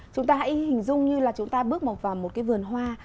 chúng ta hình dung như là chúng ta bước vào một cái vườn hoa